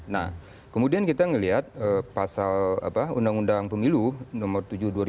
nah kemudian kita melihat pasal undang undang pemilu nomor tujuh dua ribu dua